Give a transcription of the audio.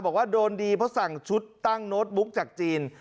บอกว่าโดนดีเพราะสั่งชุดตั้งโน้ตบุ๊กจากจีน